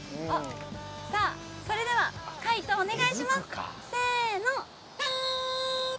それでは、解答をお願いします。